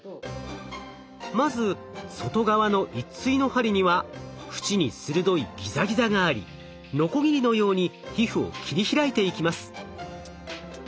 まず外側の一対の針には縁に鋭いギザギザがありノコギリのように皮膚を切り開いていきます。